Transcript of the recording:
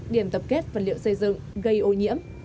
điểm tập kết vật liệu xây dựng gây ô nhiễm